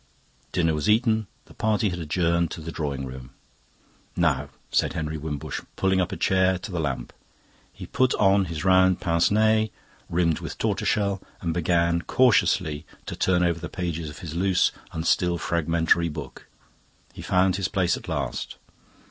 Dinner was eaten; the party had adjourned to the drawing room. "Now," said Henry Wimbush, pulling up a chair to the lamp. He put on his round pince nez, rimmed with tortoise shell, and began cautiously to turn over the pages of his loose and still fragmentary book. He found his place at last.